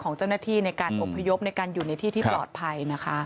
ของเจ้าหน้าที่ในการอบพยพในการอยู่ในที่ที่ปลอดภัยนะคะ